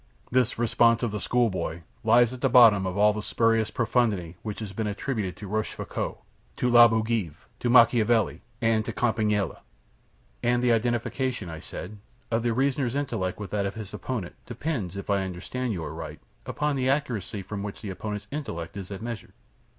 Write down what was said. This response of the school boy lies at the bottom of all the spurious profundity which has been attributed to Rochefoucault, to La Bougive, to Machiavelli, and to Campanella." "And the identification," I said, "of the reasoner's intellect with that of his opponent, depends, if I understand you aright, upon the accuracy with which the opponent's intellect is admeasured."